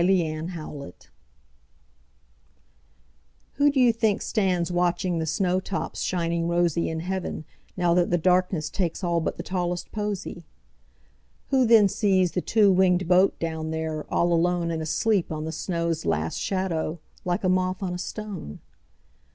Everlasting Flowers WHO do you think stands watchingThe snow tops shining rosyIn heaven, now that the darknessTakes all but the tallest posy? Who then sees the two wingedBoat down there, all aloneAnd asleep on the snow's last shadow, Like a moth on a stone?